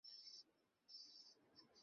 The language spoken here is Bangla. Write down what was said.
কাকে, কিসের চ্যালেঞ্জ?